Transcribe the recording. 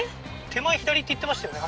手前左って言ってましたよね